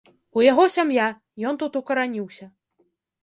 У яго сям'я, ён тут укараніўся.